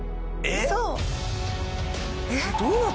えっ！？